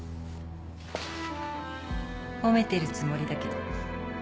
褒めてるつもりだけど。